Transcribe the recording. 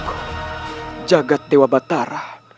pusanku jagad dewa batara